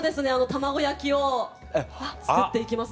たまごやきを作っていきます。